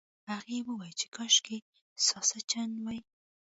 هغې وویل چې کاشکې ساسچن وای.